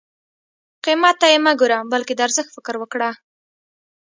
قیمت ته یې مه ګوره بلکې د ارزښت فکر وکړه.